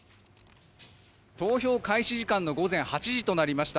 投票開始時間の午前８時となりました。